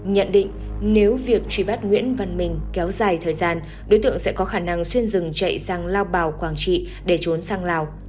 nhận định nếu việc truy bắt nguyễn văn minh kéo dài thời gian đối tượng sẽ có khả năng xuyên rừng chạy sang lao bảo quảng trị để trốn sang lào